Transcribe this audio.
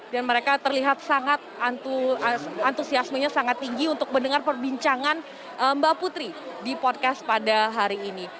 mereka terlihat sangat antusiasmenya sangat tinggi untuk mendengar perbincangan mbak putri di podcast pada hari ini